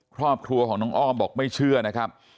ครอบครัวของน้องอ้อมบอกไม่เชื่อนะครับ